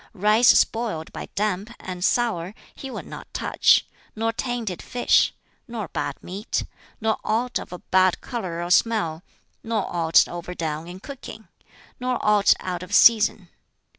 Rice spoiled by damp, and sour, he would not touch, nor tainted fish, nor bad meat, nor aught of a bad color or smell, nor aught overdone in cooking, nor aught out of season.